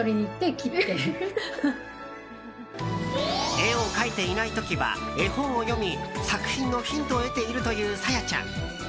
絵を描いていない時は絵本を読み作品のヒントを得ているというＳａｙａちゃん。